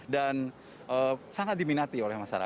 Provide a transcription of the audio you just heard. dan sangat diminati